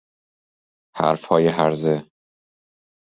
حرف های هرزه